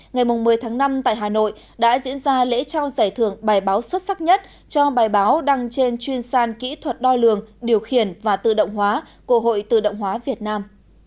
ngày một mươi tháng năm tại hà nội đã diễn ra lễ trao giải thưởng bài báo xuất sắc nhất cho bài báo đăng trên chuyên sàn kỹ thuật đo lường điều khiển và tự động hóa của hội tự động hóa việt nam